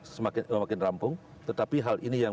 semakin rampung tetapi hal ini yang